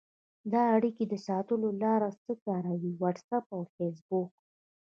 د اړیکې د ساتلو لاره څه کاروئ؟ واټساپ او فیسبوک